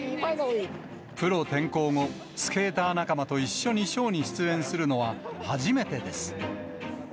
プロ転向後、スケーター仲間と一緒にショーに出演するのは、初めてです。